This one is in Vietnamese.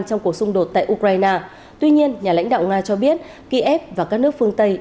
trong cuộc xung đột tại ukraine tuy nhiên nhà lãnh đạo nga cho biết kiev và các nước phương tây